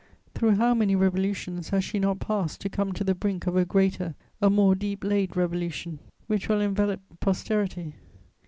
Through how many revolutions has she not passed to come to the brink of a greater, a more deep laid revolution, which will envelop posterity!